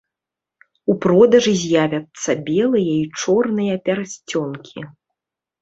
У продажы з'явяцца белыя і чорныя пярсцёнкі.